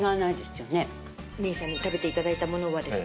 未唯さんに食べて頂いたものはですね